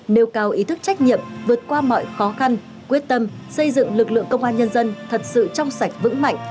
nêu cao ý thức trách nhiệm vượt qua mọi khó khăn quyết tâm xây dựng lực lượng công an nhân dân thật sự trong sạch vững mạnh